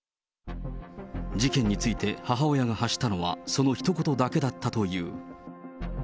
事件について、母親が発したのはそのひと言だけだったという。